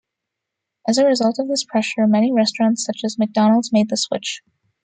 As a result of this pressure, many restaurants such as McDonald's made the switch.